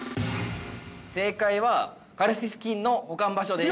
◆正解は、カルピス菌の保管場所です。